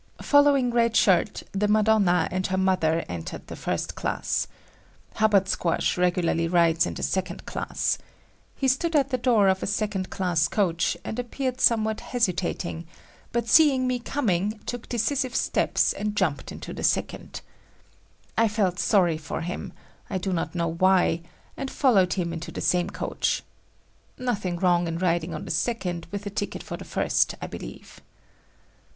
Following Red Shirt, the Madonna and her mother entered the first class. Hubbard Squash regularly rides in the second class. He stood at the door of a second class coach and appeared somewhat hesitating, but seeing me coming, took decisive steps and jumped into the second. I felt sorry for him—I do not know why—and followed him into the same coach. Nothing wrong in riding on the second with a ticket for the first, I believe.